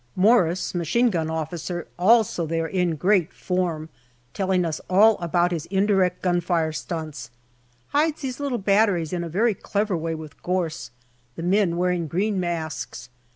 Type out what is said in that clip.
Morris, Machine Gun Officer, also there in great form, telling us all about his indirect gun fire stunts. Hides his little batteries in a very clever way with gorse, the men wearing green masks.